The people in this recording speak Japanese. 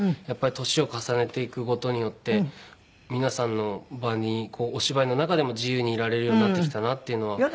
やっぱり年を重ねていくごとによって皆さんの場にお芝居の中でも自由にいられるようになってきたなっていうのは。